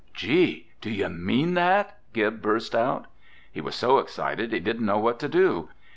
"Gee, do you mean that?" Gib burst out. He was so excited he didn't know what to do.